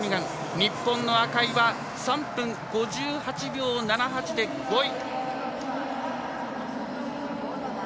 日本の赤井は３分５８秒７８で５位。